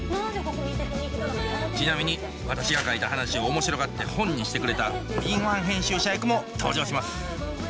ちなみに私が書いた話を面白がって本にしてくれた敏腕編集者役も登場します